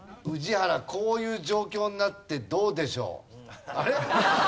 宇治原こういう状況になってどうでしょう？